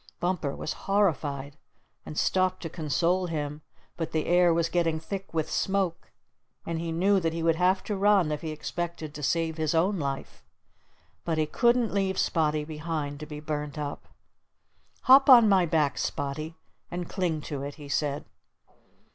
Bumper was horrified, and stopped to console him, but the air was getting thick with smoke, and he knew that he would have to run if he expected to save his own life. But he couldn't leave Spotty behind to be burnt up. "Hop on my back, Spotty, and cling to it," he said.